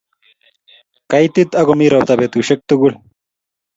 Kaitit ak ko mi ropta betusiek tugul